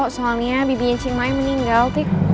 soalnya bibiin cimai meninggal